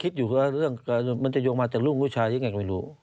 คิดอยู่ว่าเรื่องมันจะโยงมาแต่ลูกผู้ชายยังไงก็ไม่รู้